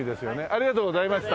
ありがとうございます。